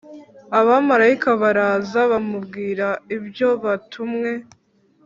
abamarayika baraza bamubwira ibyo batumwe.